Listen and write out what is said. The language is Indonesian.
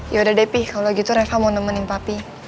yaudah deh be kalau gitu reva mau nemenin papi